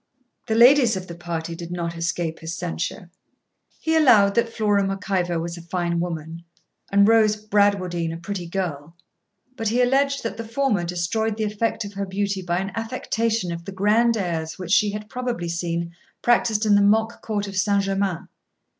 The ladies of the party did not escape his censure. He allowed that Flora Mac Ivor was a fine woman, and Rose Bradwardine a pretty girl. But he alleged that the former destroyed the effect of her beauty by an affectation of the grand airs which she had probably seen practised in the mock court of St. Germains.